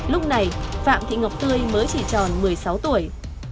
lúc này phạm thị ngọc tươi mới chỉ tròn một mươi sáu tuổi